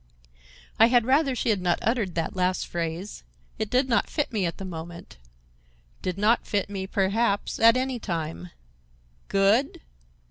I had rather she had not uttered that last phrase. It did not fit me at the moment,—did not fit me, perhaps, at any time. Good!